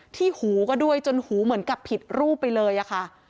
หูก็ด้วยจนหูเหมือนกับผิดรูปไปเลยอะค่ะ